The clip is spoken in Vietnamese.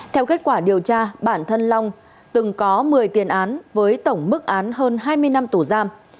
theo kết quả điều tra bản thân long từng có một mươi tiền án với tổng mức án hơn hai mươi năm tù giam